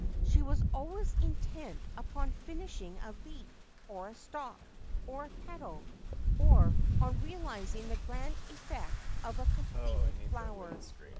She was always intent upon finishing a leaf, or a stalk, or a petal, or on realising the grand effect of a completed flower.